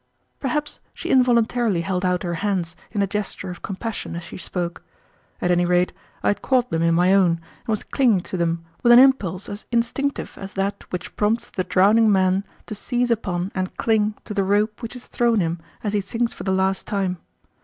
Perhaps she involuntarily held out her hands in a gesture of compassion as she spoke. At any rate I had caught them in my own and was clinging to them with an impulse as instinctive as that which prompts the drowning man to seize upon and cling to the rope which is thrown him as he sinks for the last time.